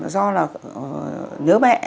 do là nhớ mẹ